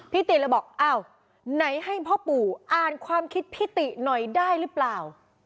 ติเลยบอกอ้าวไหนให้พ่อปู่อ่านความคิดพี่ติหน่อยได้หรือเปล่า